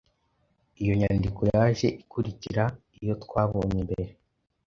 Iyo nyandiko yaje ikurikira iyo twabonye mbere